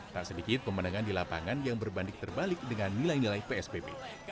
tak sedikit pemenangan di lapangan yang berbanding terbalik dengan nilai nilai psbb